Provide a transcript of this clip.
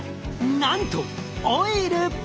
なんとオイル！